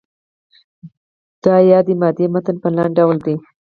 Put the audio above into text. د یادې مادې متن په لاندې ډول دی.